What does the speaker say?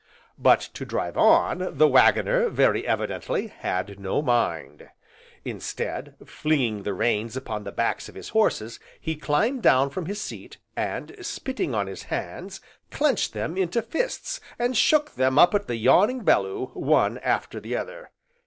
But to drive on, the Waggoner, very evidently, had no mind; instead, flinging the reins upon the backs of his horses, he climbed down from his seat, and spitting on his hands, clenched them into fists and shook them up at the yawning Bellew, one after the other.